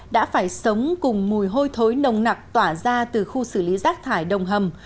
đã phải sống cùng mùi hôi thối nồng nặc tỏa ra từ khu xử lý rác thải đồng hầm